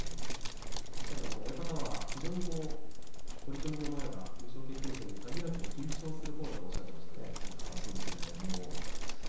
確かに親方は非常に取組の前は優勝決定戦に限らず緊張するほうだとそうですね。